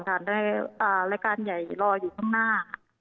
รายการใหญ่รออยู่ข้างหน้า